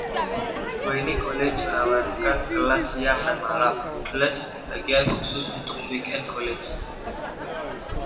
Wayne College menawarkan kelas siang dan malam, plus bagian khusus untuk Weekend College.